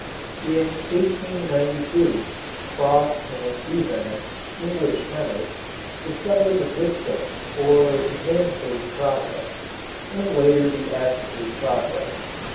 In 1892, Cross and Bevan, English chemists, discovered the viscose or xanthate process, and later the acetate process.